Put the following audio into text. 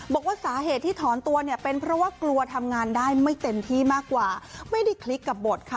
บอกว่าสาเหตุที่ถอนตัวเนี่ยเป็นเพราะว่ากลัวทำงานได้ไม่เต็มที่มากกว่าไม่ได้คลิกกับบทค่ะ